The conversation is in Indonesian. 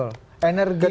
energi konsentrasi memang